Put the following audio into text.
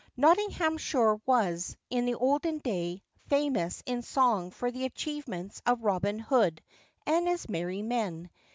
[NOTTINGHAMSHIRE was, in the olden day, famous in song for the achievements of Robin Hood and his merry men.